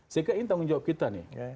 saya kira ini tanggung jawab kita nih